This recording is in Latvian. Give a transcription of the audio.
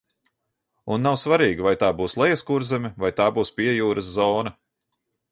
Un nav svarīgi, vai tā būs Lejaskurzeme, vai tā būs Piejūras zona.